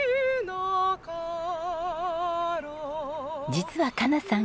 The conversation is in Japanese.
実は加奈さん